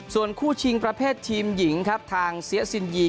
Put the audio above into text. ส่วนคู่ชิงประเภททีมหญิงครับทางเสียซินยี